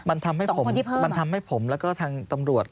มันทำให้ผมมันทำให้ผมแล้วก็ทางตำรวจ